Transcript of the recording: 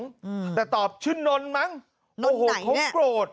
อืมแต่ตอบชื่นนนต์มั้งนนต์ไหนเนี่ยโอ้โหเขากรด